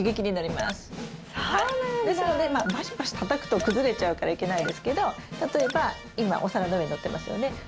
ですのでまあバシバシたたくと崩れちゃうからいけないですけど例えば今お皿の上に載ってますよね。